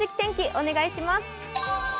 お願いします。